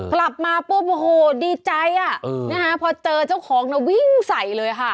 ปลับมาปุ้บโหดีใจพอเจอเจ้าของวิ่งใส่เลยค่ะ